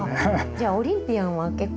じゃあオリンピアンは結構。